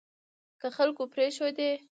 که خلکو پرېښودې